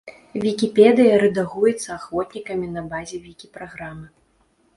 Вікіпедыя рэдагуецца ахвотнікамі на базе вікі праграмы.